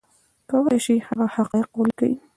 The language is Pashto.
کولی شي هغه حقایق ولیکي